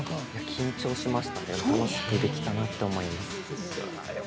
緊張しましたけれども楽しくできたなと思います。